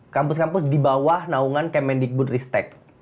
kampus kampus di bawah naungan kemendikbudristek